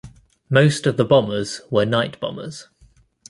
Most of the bombers were night bombers.